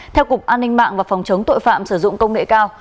theo cục an ninh mạng và phòng chống tội phạm sử dụng công nghệ cao